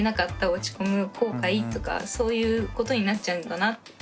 落ち込む後悔とかそういうことになっちゃうんだなって。